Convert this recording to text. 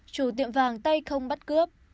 chủ tiệm vàng tây không bắt cướp